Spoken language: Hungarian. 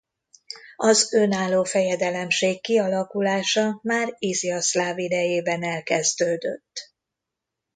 Az önálló fejedelemség kialakulása már Izjaszláv idejében elkezdődött.